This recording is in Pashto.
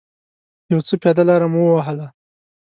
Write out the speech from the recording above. یو څه پیاده لاره مو و وهله.